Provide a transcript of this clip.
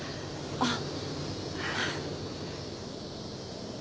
あっ。